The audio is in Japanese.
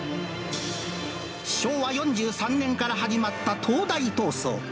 昭和４３年から始まった東大闘争。